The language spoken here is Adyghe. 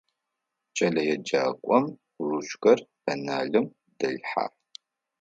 КӀэлэеджакӀом ручкэр пеналым делъхьэ.